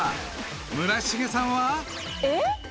［村重さんは？］えっ？